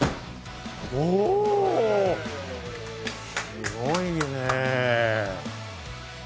すごいね。